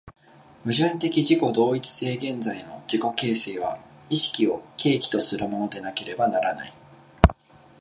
矛盾的自己同一的現在の自己形成は意識を契機とするものでなければならない。